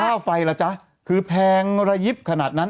ค่าไฟล่ะจ๊ะคือแพงระยิบขนาดนั้น